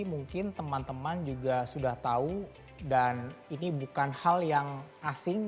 mungkin teman teman juga sudah tahu dan ini bukan hal yang asing